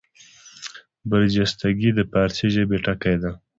برجستګي د فاړسي ژبي ټکی دﺉ.